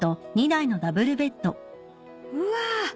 ［うわ］